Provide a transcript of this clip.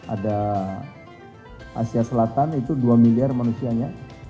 ada asia selatan itu dua miliar manusianya